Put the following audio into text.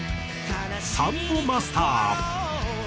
サンボマスター。